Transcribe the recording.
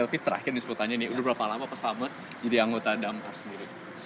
tapi terakhir nih sebutannya nih udah berapa lama pak samet jadi anggota damar sendiri